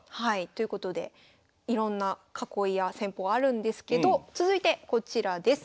ということでいろんな囲いや戦法あるんですけど続いてこちらです。